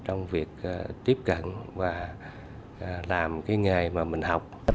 trong việc tiếp cận và làm cái nghề mà mình học